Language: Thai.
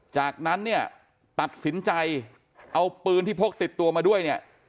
จากนั้นเนี่ยตัดสินใจเอาปืนที่พกติดตัวมาด้วยเนี่ย